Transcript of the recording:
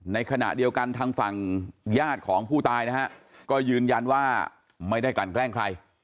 ในขณะเดียวกันทางฝั่งญาติของผู้ตายนะฮะก็ยืนยันว่าไม่ได้กลั่นแกล้งใคร